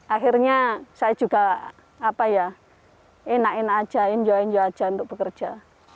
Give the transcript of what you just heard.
akhirnya saya juga enak enak aja enjoy aja untuk bekerja